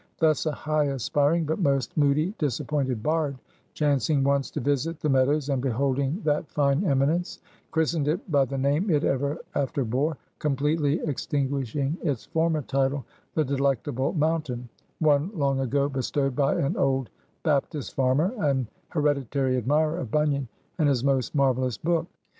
Thus a high aspiring, but most moody, disappointed bard, chancing once to visit the Meadows and beholding that fine eminence, christened it by the name it ever after bore; completely extinguishing its former title The Delectable Mountain one long ago bestowed by an old Baptist farmer, an hereditary admirer of Bunyan and his most marvelous book.